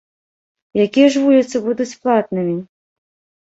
Якія ж вуліцы будуць платнымі?